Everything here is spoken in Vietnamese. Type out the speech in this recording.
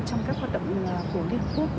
trong các hoạt động của liên hợp quốc